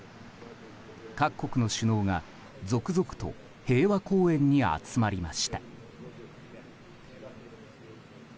各国の首脳が続々と平和公園に集まりました。